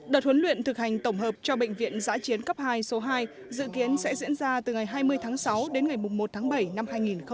đợt huấn luyện thực hành tổng hợp cho bệnh viện giã chiến cấp hai số hai dự kiến sẽ diễn ra từ ngày hai mươi tháng sáu đến ngày một tháng bảy năm hai nghìn hai mươi